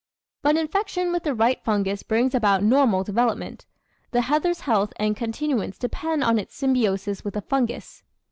But infection with the right fungus brings about normal development. The heather's health and continuance depend on its symbiosis with a Fungus.